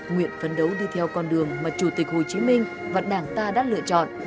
nguyện phấn đấu đi theo con đường mà chủ tịch hồ chí minh và đảng ta đã lựa chọn